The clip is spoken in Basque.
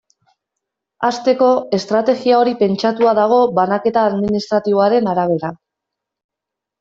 Hasteko, estrategia hori pentsatua dago banaketa administratiboaren arabera.